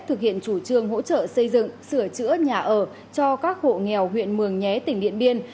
thực hiện chủ trương hỗ trợ xây dựng sửa chữa nhà ở cho các hộ nghèo huyện mường nhé tỉnh điện biên